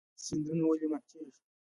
سیندونه ولې ماتیږي؟